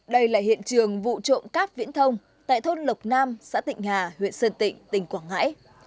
đây là hiện trường vụ trộm cắp viễn thông tại thôn lộc nam xã tịnh hà huyện sơn tịnh tỉnh quảng ngãi